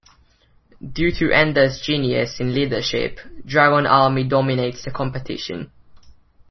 Due to Ender's genius in leadership, Dragon Army dominates the competition.